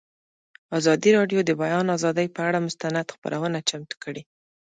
ازادي راډیو د د بیان آزادي پر اړه مستند خپرونه چمتو کړې.